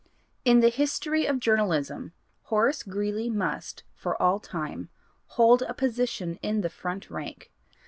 In the history of journalism, Horace Greeley must, for all time, hold a position in the front rank.